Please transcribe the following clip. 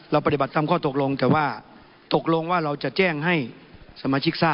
ปฏิบัติตามข้อตกลงแต่ว่าตกลงว่าเราจะแจ้งให้สมาชิกทราบ